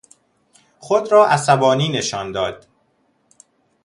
خود را عصبانی نشان داد.